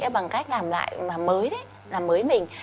bằng cách làm lại mới làm mới mình